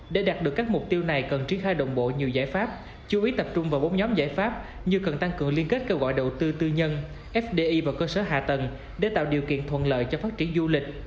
để đạt được các mục tiêu này cần triển khai đồng bộ nhiều giải pháp chú ý tập trung vào bốn nhóm giải pháp như cần tăng cường liên kết kêu gọi đầu tư tư nhân fdi vào cơ sở hạ tầng để tạo điều kiện thuận lợi cho phát triển du lịch